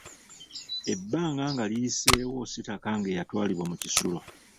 Ebbanga nga liyiseewo Sitakange yatwalibwa mu kisulo.